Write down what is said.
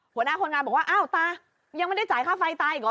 หัวหน้าคนงานบอกว่าอ้าวตายังไม่ได้จ่ายค่าไฟตาอีกเหรอ